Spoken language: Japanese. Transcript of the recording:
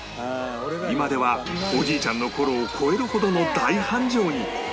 今ではおじいちゃんの頃を超えるほどの大繁盛に！